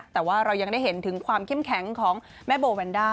แต่ว่าเรายังได้เห็นถึงความเข้มแข็งของแม่โบแวนด้า